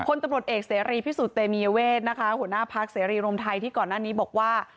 คนตำรวจเอกเสรีพิสุทธิเตมียเวทนะคะหัวหน้าพักเสรีรวมไทยที่ก่อนหน้านี้บอกว่า